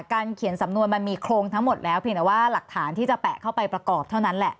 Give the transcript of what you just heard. เขียนสำนวนมันมีโครงทั้งหมดแล้วเพียงแต่ว่าหลักฐานที่จะแปะเข้าไปประกอบเท่านั้นแหละ